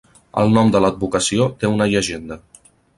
El nom de l'advocació té una llegenda.